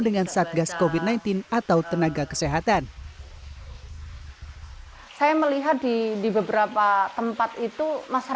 tetangga tetangga dekatnya itulah yang harus peduli